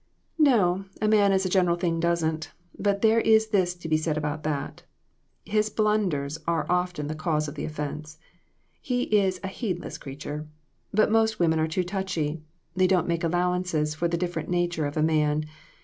"No, a man as a general thing, doesn't; but there is this to be said about that. His blunders are often the cause of the offense. He is a heed less creature. But most women are too touchy. They don't make allowances for the different nature of a man.